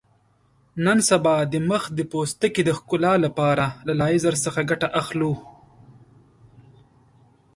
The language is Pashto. نن سبا د مخ د پوستکي د ښکلا لپاره له لیزر څخه ګټه اخلو.